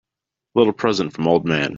A little present from old man.